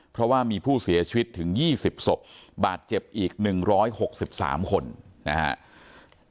เพราะว่ามีผู้เสียชีวิตถึง๒๐ศพบาดเจ็บอีก๑๖๓คนนะครับ